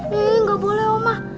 nih gak boleh oma